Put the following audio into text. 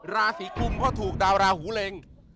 ลาศีกุมพอถูกดาวราหูหลง